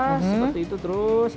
seperti itu terus